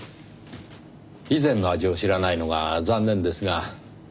以前の味を知らないのが残念ですが。